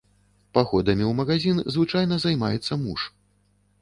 Паходамі ў магазін звычайна займаецца муж.